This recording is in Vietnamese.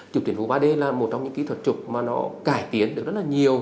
trục tuyển vụ ba d là một trong những kỹ thuật trục mà nó cải tiến được rất là nhiều